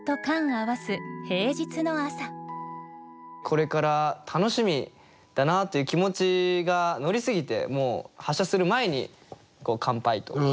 これから楽しみだなという気持ちが乗りすぎてもう発車する前に乾杯と。